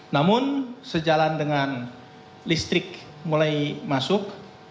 namun sejalan dengan listrik mulai masuk